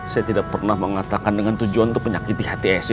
saya tidak pernah mengatakan dengan tujuan untuk menyakiti hati